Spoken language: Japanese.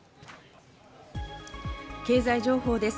経済情報です。